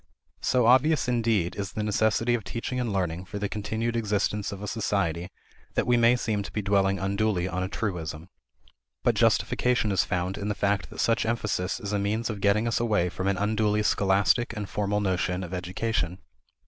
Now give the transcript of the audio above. So obvious, indeed, is the necessity of teaching and learning for the continued existence of a society that we may seem to be dwelling unduly on a truism. But justification is found in the fact that such emphasis is a means of getting us away from an unduly scholastic and formal notion of education.